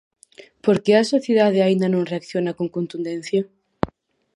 Por que a sociedade aínda non reacciona con contundencia?